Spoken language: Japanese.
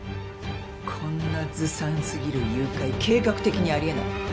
こんなずさんすぎる誘拐計画的にありえない。